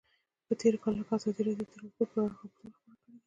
په تېرو کلونو کې ازادي راډیو د ترانسپورټ په اړه راپورونه خپاره کړي دي.